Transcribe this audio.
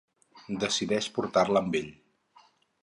Decideix portar-la amb ell.